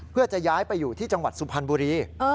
เพื่อจะย้ายไปอยู่ที่จังหวัดสุพรรณบุรี